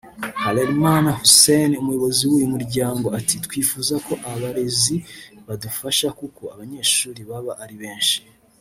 Harerimana Houssin umuyobozi w’uyu muryango ati “Twifuza ko abarezi badufasha kuko abanyeshuri baba ari benshi